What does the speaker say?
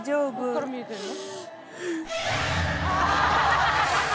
どこから見えてるの？